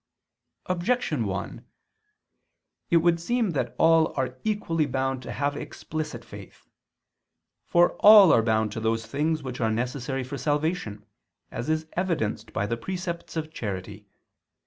Objection 1: It would seem that all are equally bound to have explicit faith. For all are bound to those things which are necessary for salvation, as is evidenced by the precepts of charity.